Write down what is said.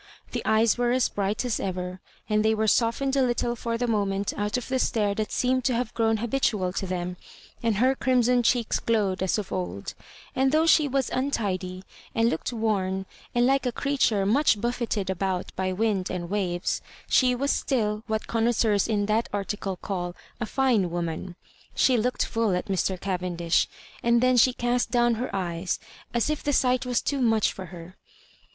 The eyes were as bright as ever, and they were softened a little for the moment out of the stare that seemed to have grown habit ual to them ; and her crimson cheeks glowed as of old; and though she was untidy, and looked worn, and like a creature much buffeted about by wind and waves, she was still what connois seurs in that article call a fiine woman. She looked full at Mr. Cavendish, and then she cast down her eyes, as if the sight was too much for her.